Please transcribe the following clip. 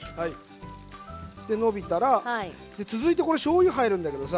でのびたら続いてこれしょうゆ入るんだけどさ。